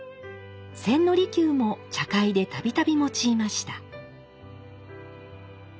千利休も茶会で度々用いました。